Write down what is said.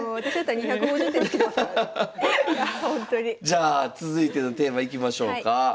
じゃあ続いてのテーマいきましょうか。